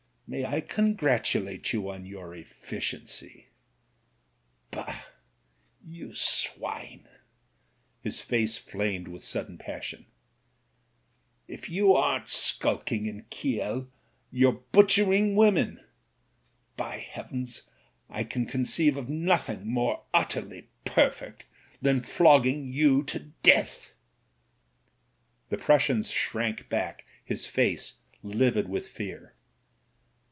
May I ccMigratulate you on your efficiency ? Bah I you swine" — ^his face flamed with sudden passion — ^''if you aren't skulking in Kiel, you're butchering women. By heavens! I can conceive of nothing more utterly per fect than flogging you to death." » The Prussian shrank back, his face livid with fear.